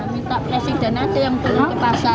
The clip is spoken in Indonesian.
minta presiden aja yang perlu ke pasar